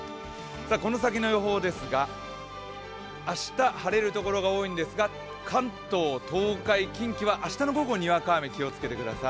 この先の予報ですが、明日晴れる所が多いんですが関東、東海、近畿は明日の午後にわか雨、気をつけてください。